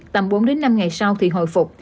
tại vì tầm bốn năm ngày sau